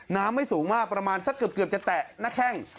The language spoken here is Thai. ไม่สูงมากประมาณสักเกือบจะแตะหน้าแข้ง